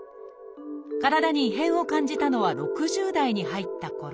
体に異変を感じたのは６０代に入ったころ。